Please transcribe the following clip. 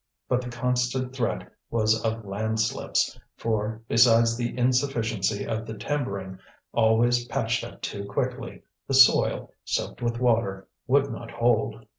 But the constant threat was of landslips; for, besides the insufficiency of the timbering, always patched up too quickly, the soil, soaked with water, would not hold.